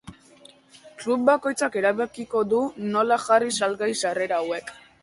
Klub bakoitzak erabakiko du nola jarri salgai sarrera hauek.